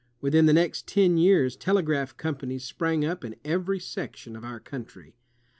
Within the next ten years, telegraph companies sprang up in every section of our country.